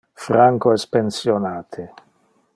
Franco es pensionate.